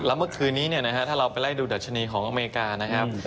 แล้วเมื่อคืนนี้ถ้าเราไปไล่ดูดัชนีของอเมริกานะครับ